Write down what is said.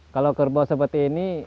kalau kerbau seperti ini